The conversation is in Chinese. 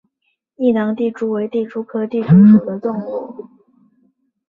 异囊地蛛为地蛛科地蛛属的动物。